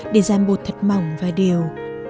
để dàn bột thật mỏng và đều